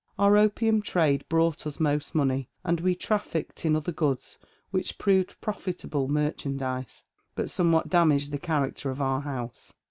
Our opium trade brought us most money, and we trafficked in other goods which proved profitable merchandise, but somewhat damaged the character of our house.